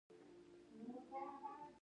که خلک یو بل وبخښي، نو سوله به راشي.